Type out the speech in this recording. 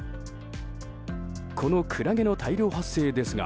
このクラゲの大量発生ですが